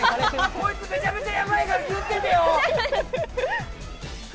こいつ、めちゃめちゃやばいから気を付けてよ！